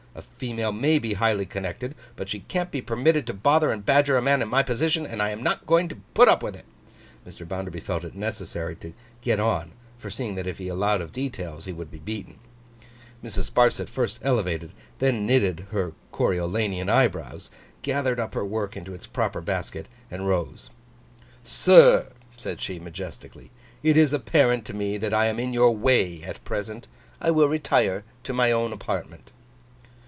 A female may be highly connected, but she can't be permitted to bother and badger a man in my position, and I am not going to put up with it.' (Mr. Bounderby felt it necessary to get on: foreseeing that if he allowed of details, he would be beaten.) Mrs. Sparsit first elevated, then knitted, her Coriolanian eyebrows; gathered up her work into its proper basket; and rose. 'Sir,' said she, majestically. 'It is apparent to me that I am in your way at present. I will retire to my own apartment.